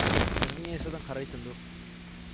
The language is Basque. Berdina izaten jarraitzen du.